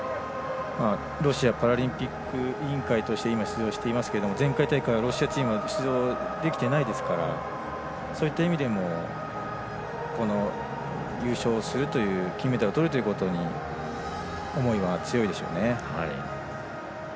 ロシアパラリンピック委員会として出場していますけれども前回大会、ロシアチーム出場できていないですからそういった意味でも優勝するという金メダルをとるということに思いは強いでしょうね。